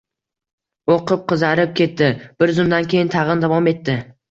U qip-qizarib ketdi, bir zumdan keyin tag‘in, davom etdi: